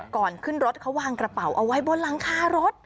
ก่อนขึ้นรถเขาวางกระเป๋าเอาไว้บนหลังคารถ